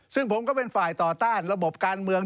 ซึ่งผมก็เป็นฝ่ายต่อต้านระบบการเมือง